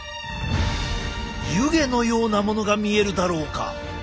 湯気のようなものが見えるだろうか？